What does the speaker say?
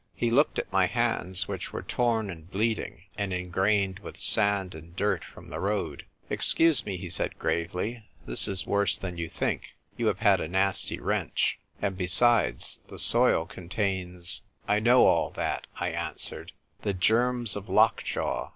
He looked at my hands, which were torn and bleeding, and ingrained with sand and dirt from the road. " Excuse me," he said, gravely; "this is worse than yow chink. You have had a nasty wrench. And, be sides, the soil contains " "I know all that," I answered. "The germs of lockjaw.